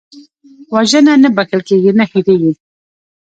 وژنه نه بښل کېږي، نه هېرېږي